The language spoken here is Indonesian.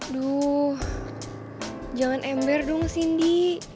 duh jangan ember dong cindy